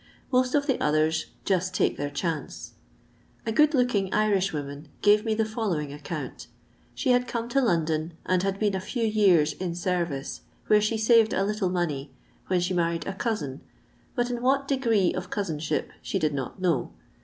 Most of the others ''just take their chance." A good looking Irishwoman gave me the follow ing account. She had come to London and had been a few years in service, where she saved a little money, when she married a cousin, but in what degree of cousinship she did not know.